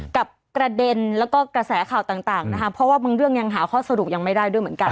กับประเด็นแล้วก็กระแสข่าวต่างนะคะเพราะว่าบางเรื่องยังหาข้อสรุปยังไม่ได้ด้วยเหมือนกัน